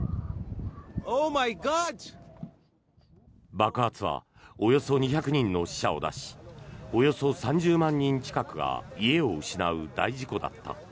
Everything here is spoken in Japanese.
爆発はおよそ２００人の死者を出しおよそ３０万人近くが家を失う大事故だった。